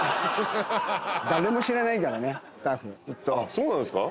そうなんですか？